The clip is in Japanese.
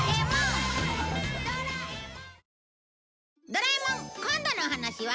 『ドラえもん』今度のお話は？